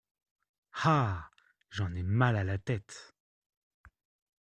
Ah ! j’en ai mal à la tête !